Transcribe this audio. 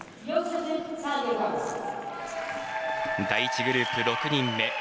第１グループ６人目。